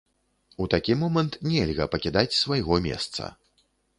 У такі момант нельга пакідаць свайго месца.